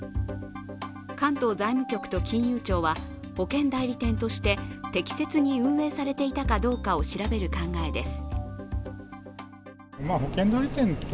関東財務局と金融庁は保険代理店として適切に運営されていたかどうかを調べる考えです。